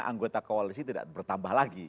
anggota koalisi tidak bertambah lagi